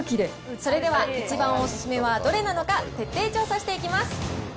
それでは一番お勧めはどれなのか、徹底調査していきます。